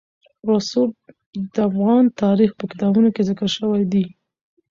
رسوب د افغان تاریخ په کتابونو کې ذکر شوي دي.